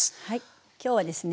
今日はですね